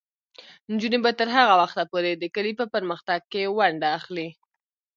نجونې به تر هغه وخته پورې د کلي په پرمختګ کې ونډه اخلي.